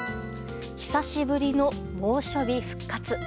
久しぶりの猛暑日復活。